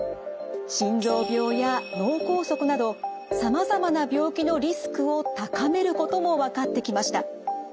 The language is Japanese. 心臓病や脳梗塞などさまざまな病気のリスクを高めることも分かってきました。